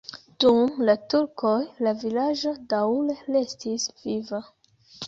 Dum la turkoj la vilaĝo daŭre restis viva.